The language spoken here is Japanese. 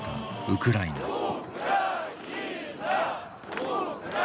ウクライナより。